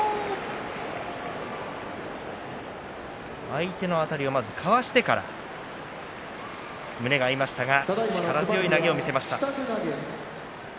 相手のあたりをかわしてから胸が合いましたが力強い投げを見せました。